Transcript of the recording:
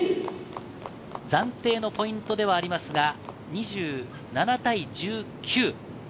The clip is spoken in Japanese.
暫定のポイントではありますが２７対１９。